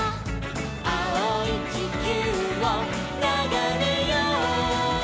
「あおいちきゅうをながめよう！」